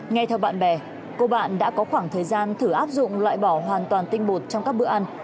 nghe theo bạn bè cô bạn đã có khoảng thời gian thử áp dụng loại bỏ hoàn toàn tinh bột trong các bữa ăn